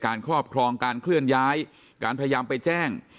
ครอบครองการเคลื่อนย้ายการพยายามไปแจ้ง